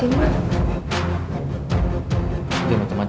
sekarang kirk dengan pence terbuka